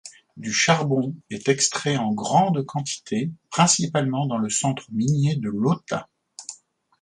Du charbon est extrait en grande quantité, principalement dans le centre minier de Lota.